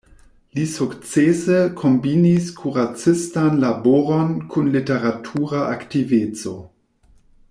Li sukcese kombinis kuracistan laboron kun literatura aktiveco.